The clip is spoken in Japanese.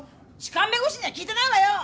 痴漢弁護士には聞いてないわよ！